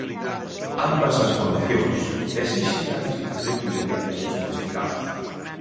Ambas as formacións esixen a destitución inmediata dos investigados.